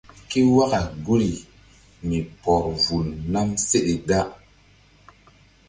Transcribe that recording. Ké waka guri mi pɔr vul nam seɗe da.